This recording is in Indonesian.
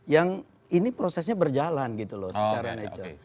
yang ini prosesnya berjalan gitu loh secara nature